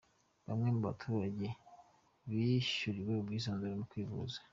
Bamwe mu baturage bishyuriwe ubwisungane mu kwivuza.